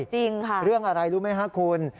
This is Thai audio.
จริงค่ะเรื่องอะไรรู้ไหมคะคุณ